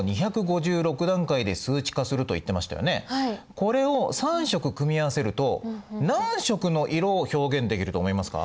これを３色組み合わせると何色の色を表現できると思いますか？